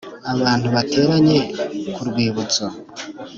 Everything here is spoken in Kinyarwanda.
abantu bateranye ku Rwibutso